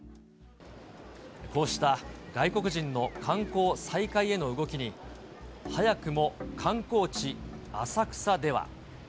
こうした外国人の観光再開への動きに、早くも観光地、浅草では。